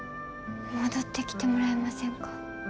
戻ってきてもらえませんか？